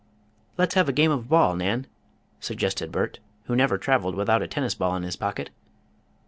"Let's have a game of ball, Nan?" suggested Bert, who never traveled without a tennis ball in his pocket.